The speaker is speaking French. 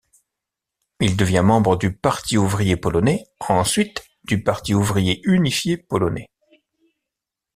Il devient membre du Parti Ouvrier Polonais, ensuite du Parti Ouvrier Unifié Polonais.